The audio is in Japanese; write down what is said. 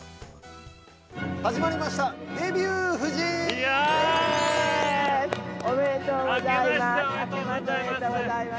◆始まりました「デビュー夫人」◆おめでとうございます。